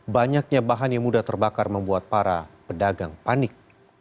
banyaknya bahan yang mudah terbakar membuat para pedagang panik